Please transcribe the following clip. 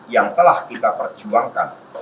yang telah kita perjuangkan